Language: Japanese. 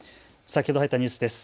先ほど入ったニュースです。